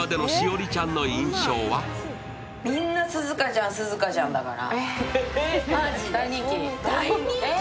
みんな涼香ちゃん涼香ちゃんだから。